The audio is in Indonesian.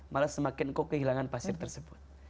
malah semakin engkau kehilangan pasir tersebut